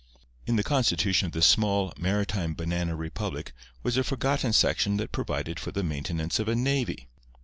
In the constitution of this small, maritime banana republic was a forgotten section that provided for the maintenance of a navy.